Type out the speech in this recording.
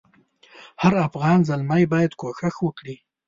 هر افغان زلمی باید کوښښ وکړي.